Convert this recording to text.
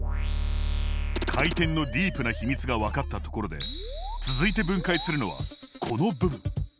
回転のディープな秘密が分かったところで続いて分解するのはこの部分。